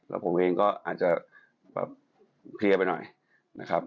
แล้วผมเองก็อาจจะแบบเพลียไปหน่อยนะครับ